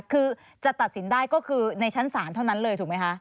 คือจะตัดสินได้ก็คือในชั้นศาลเท่านั้นเลยถูกไหมคะ